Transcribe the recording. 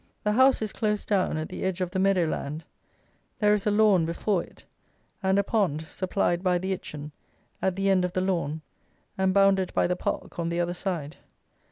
The house is close down at the edge of the meadow land; there is a lawn before it, and a pond, supplied by the Itchen, at the end of the lawn, and bounded by the park on the other side.